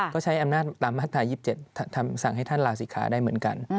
ก็ใช้อำนาจตามมาตรา๒๗สั่งให้ท่านลาศิกขาได้เหมือนกัน